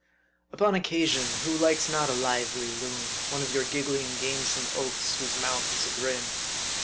Upon occasion, who likes not a lively loon, one of your giggling, gamesome oafs, whose mouth is a grin?